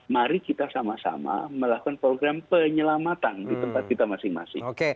mari kita sama sama melakukan program penyelamatan di tempat kita masing masing